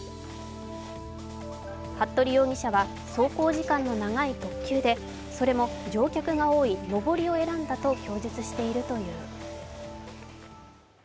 服部容疑者は、走行時間の長い特急でそれも乗客が多い上りを選んだと供述しているという。